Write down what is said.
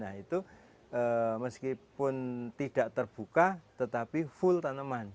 nah itu meskipun tidak terbuka tetapi full tanaman